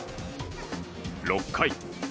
６回。